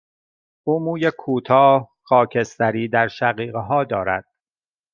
او موی کوتاه، خاکستری در شقیقه ها دارد.